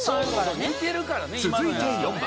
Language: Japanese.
続いて４番。